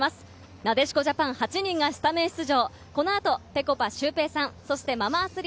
なでしこジャパン８人がスタメン出場。